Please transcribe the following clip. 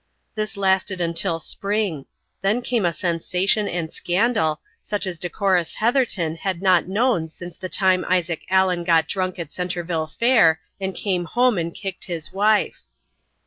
This lasted until spring; then came a sensation and scandal, such as decorous Heatherton had not known since the time Isaac Allen got drunk at Centreville Fair and came home and kicked his wife.